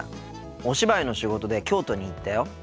お芝居の仕事で京都に行ったよ。